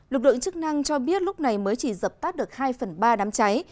lực lượng chức năng cho biết lúc này mới chỉ dập tắt được hai phần ba đám cháy